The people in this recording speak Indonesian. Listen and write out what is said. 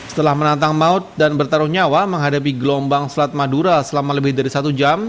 setelah menantang maut dan bertaruh nyawa menghadapi gelombang selat madura selama lebih dari satu jam